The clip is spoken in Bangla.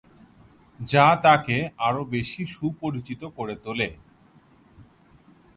যা তাকে আরো বেশি সুপরিচিত করে তোলে।